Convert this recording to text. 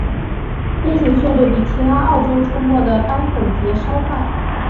飞行速度比其他澳洲出没的斑粉蝶稍快。